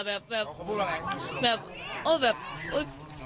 แบบแบบโอ๊ยแบบโอ๊ย